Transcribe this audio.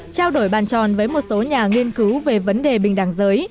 trao đổi bàn tròn với một số nhà nghiên cứu về vấn đề bình đẳng giới